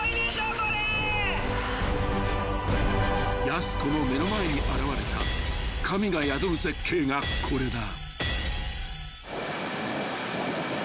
［やす子の目の前に現れた神が宿る絶景がこれだ］